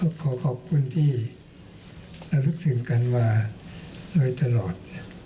ก็ขอขอบคุณที่ระลึกถึงกันมาโดยตลอด